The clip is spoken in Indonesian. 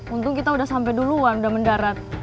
untung kita udah sampai duluan udah mendarat